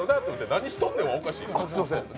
何しとんねんはおかしい。